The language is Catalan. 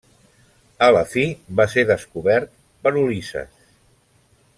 A la fi va ser descobert per Ulisses.